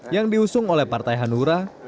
yang diusung oleh partai hanura pks dan pan